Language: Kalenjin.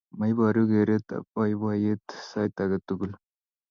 Maibaruu kereet boiboiyet sait agetugul